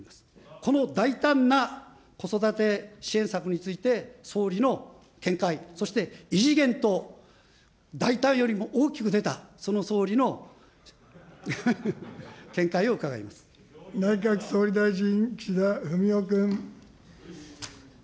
この大胆な子育て支援策について、総理の見解、そして異次元と、大胆よりも大きく出た、内閣総理大臣、岸田文雄君。